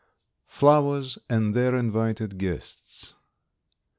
] FLOWERS AND THEIR INVITED GUESTS.